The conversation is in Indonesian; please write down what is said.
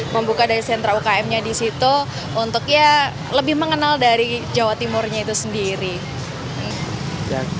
membuka dari sentra ukm nya di situ untuk ya lebih mengenal dari jawa timurnya itu sendiri